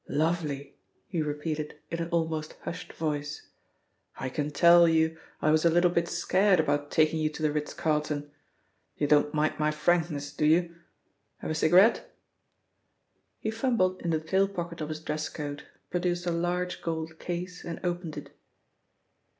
"Lovely!" he repeated in an almost hushed voice. "I can tell you I was a little bit scared about taking you to the Ritz Carlton. You don't mind my frankness, do you have a cigarette?" He fumbled in the tail pocket of his dress coat, produced a large gold case and opened it.